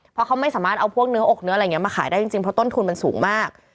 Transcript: เพราะเขาไม่สามารถเอาพวกเนื้ออกเนื้ออะไรอย่างนี้มาขายได้จริงเพราะต้นทุนมันสูงมาก